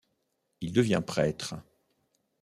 Il devient prêtre.